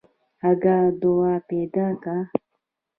اگه دوا پيدا که.